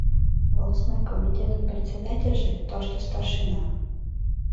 Волостной комитетын председательже — тошто старшина.